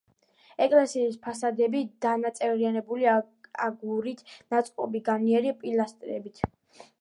ეკლესიის ფასადები დანაწევრებულია აგურით ნაწყობი განიერი პილასტრებით.